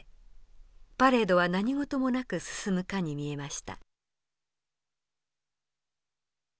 パレードは何事もなく進むかに見えました。